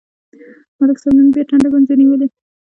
ملک صاحب نن بیا ټنډه ګونځې نیولې.